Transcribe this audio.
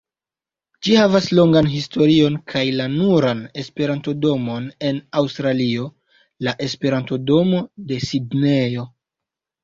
Ĝi havas longan historion kaj la nuran Esperanto-domon en Aŭstralio: la Esperanto-domo de Sidnejo.